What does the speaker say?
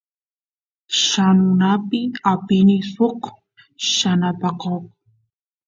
yanunapi apini suk yanapakoq